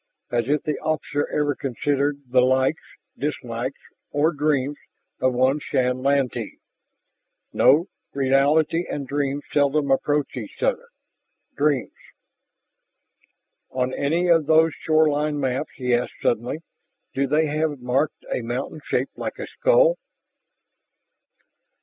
As if the officer ever considered the likes, dislikes or dreams of one Shann Lantee. No, reality and dreams seldom approached each other. Dreams.... "On any of those shoreline maps," he asked suddenly, "do they have marked a mountain shaped like a skull?"